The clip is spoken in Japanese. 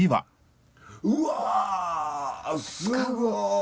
うわすごい！